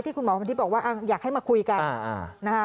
ที่คุณหมอพรทิพย์บอกว่าอยากให้มาคุยกัน